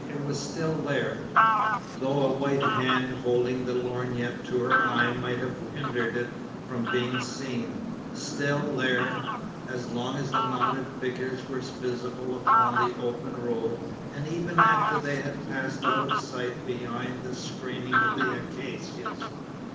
It was still there though a white hand holding the lorgnette to her eye might have hindered it from being seen still there, as long as the mounted figures were visible upon the open road; and even after they had passed out of sight behind the screening of the acacias.